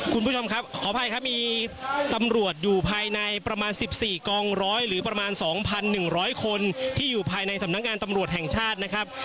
คุณผู้ชมครับขออภัยครับมีตำรวจอยู่ภายในประมาณ๑๔กองร้อยหรือประมาณ๒๑๐๐คนที่อยู่ภายในสำนักงานตำรวจแห่งชาตินะครับ